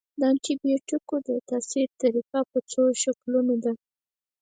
د انټي بیوټیکونو د تاثیر طریقه په څو شکلونو ده.